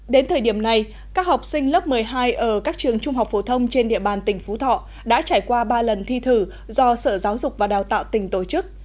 đến thời điểm này các học sinh lớp một mươi hai ở các trường trung học phổ thông trên địa bàn tỉnh phú thọ đã trải qua ba lần thi thử do sở giáo dục và đào tạo tỉnh tổ chức